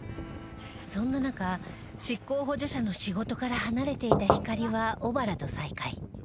そんな中執行補助者の仕事から離れていたひかりは小原と再会